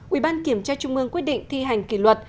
ủy ban kiểm tra trung ương quyết định thi hành kỷ luật